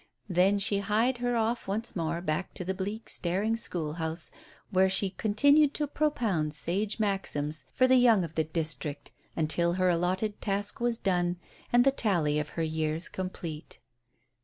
Then she hied her off once more, back to the bleak, staring school house, where she continued to propound sage maxims for the young of the district until her allotted task was done, and the tally of her years complete.